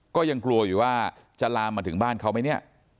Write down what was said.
ก็ยังกลัวอยู่ว่าจะลามมาถึงบ้านเขาไหมเนี่ย